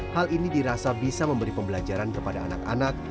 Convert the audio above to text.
hal ini dirasa bisa memberi pembelajaran kepada anak anak